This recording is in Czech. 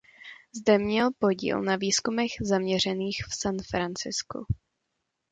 Zde měl podíl na výzkumech zaměřených v San Francisku.